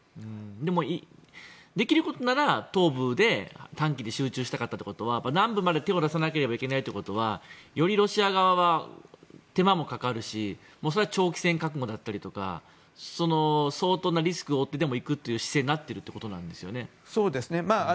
でも、できることなら東部で短期に集中したかったということは南部まで手を出さなければいけないってことはよりロシア側は手間もかかるし長期戦覚悟だったりとか相当なリスクを負ってでもという姿勢になっているということですよね。